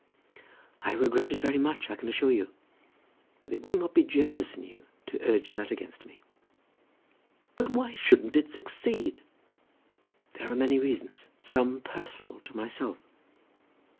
"I regret it very much, I can assure you; but it will not be generous in you to urge that against me." "But why shouldn't it succeed?" "There are many reasons, some personal to myself."